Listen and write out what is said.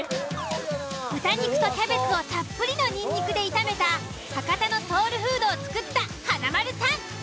豚肉とキャベツをたっぷりのニンニクで炒めた博多のソウルフードを作った華丸さん。